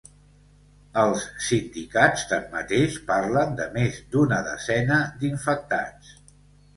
Els sindicats, tanmateix, parlen de més d’una desena d’infectats.